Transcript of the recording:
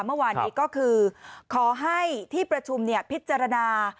เมื่อวานนี้ก็คือขอให้ที่ประชุมพิจารณา